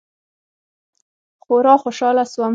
خورا خوشاله سوم.